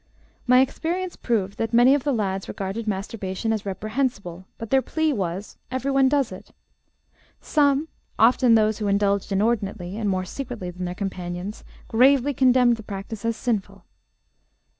"My experience proved that many of the lads regarded masturbation as reprehensible; but their plea was 'everyone does it.' Some, often those who indulged inordinately and more secretly than their companions, gravely condemned the practice as sinful.